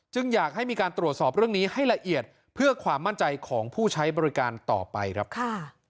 อยากให้มีการตรวจสอบเรื่องนี้ให้ละเอียดเพื่อความมั่นใจของผู้ใช้บริการต่อไปครับค่ะ